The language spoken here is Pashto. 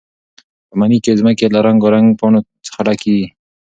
په مني کې ځمکه له رنګارنګ پاڼو څخه ډکېږي.